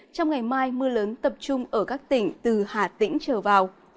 trong ngày mai mưa lớn tập trung ở các tỉnh từ hà tĩnh trở vào